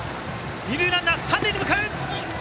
二塁ランナー、三塁へ向かう。